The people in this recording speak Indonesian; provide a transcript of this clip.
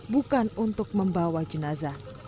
bukan untuk membawa jenazah